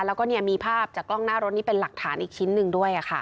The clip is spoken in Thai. แล้วก็มีภาพจากกล้องหน้ารถนี่เป็นหลักฐานอีกชิ้นหนึ่งด้วย